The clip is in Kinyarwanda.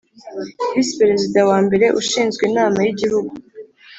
Visi Perezida wa mbere ushinzwe inama yigihugu